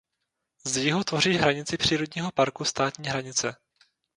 Z jihu tvoří hranici přírodního parku státní hranice.